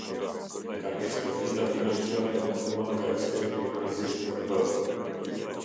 Nga ekspertiza financiare e punuar nga eksperti Aziz B.